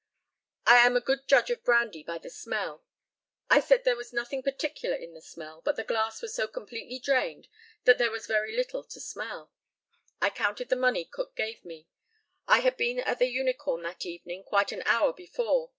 I am a good judge of brandy by the smell. I said there was nothing particular in the smell, but the glass was so completely drained, that there was very little to smell. I counted the money Cook gave me. I had been at the Unicorn that evening quite an hour before.